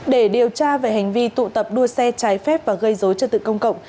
để điều tra về hành vi tụ tập đua xe trái phép và gây dối trật tự công cộng